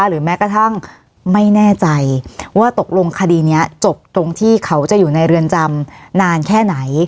หรือแม้กระทั่งไม่แน่ใจว่าตกลงคดีนี้จบตรงที่เขาจะอยู่ในเรือนจำนานแค่ไหน